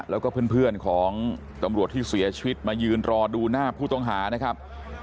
แล้วก็เพื่อนของตำรวจที่เสียชีวิตมายืนรอดูหน้าผู้ต้องหานะครับ